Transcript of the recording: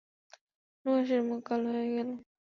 নুহাশের মুখ কাল হয়ে গেল।